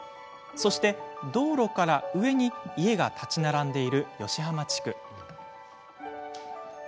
そして、道路から上に家が建ち並んでいる吉浜地区。